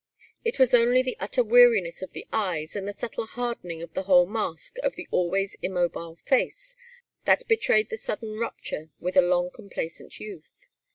It was only the utter weariness of the eyes, and a subtle hardening of the whole mask of the always immobile face, that betrayed the sudden rupture with a long complacent youth.